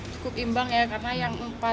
cukup imbang ya